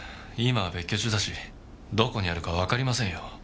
今は別居中だしどこにあるかわかりませんよ。